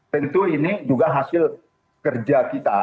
tentu ini juga hasil kerja kita